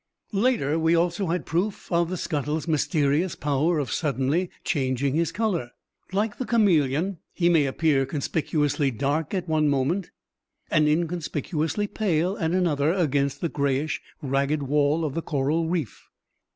Later, we had proof also of the scuttle's mysterious power of suddenly changing his color. Like the chameleon, he may appear conspicuously dark at one moment and inconspicuously pale at another, against the grayish, ragged wall of the coral reef.